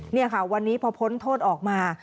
นี่ค่ะวันนี้พอพ้นโทษออกมา